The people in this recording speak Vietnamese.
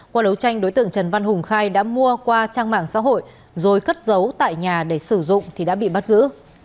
qua đấu tranh đối tượng trần văn hùng khai đã mua qua trang mạng xã hội rồi cất giấu tại nhà để sử dụng thì đã bị bắt giữ